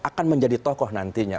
akan menjadi tokoh nantinya